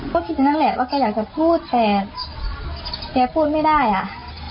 ก็คิดอย่างนั้นแหละว่าแกอยากจะพูดแต่แกพูดไม่ได้อ่ะ